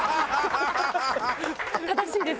正しいです。